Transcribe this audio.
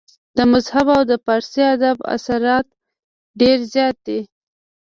د مذهب او د فارسي ادب اثرات ډېر زيات دي